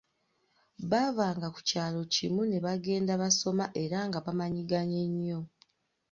Baavanga ku kyalo kimu ne bagenda basoma era nga bamanyiganye nnyo.